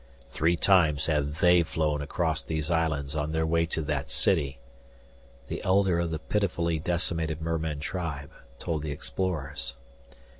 "Three times have they flown across these islands on their way to that city," the Elder of the pitifully decimated merman tribe told the explorers.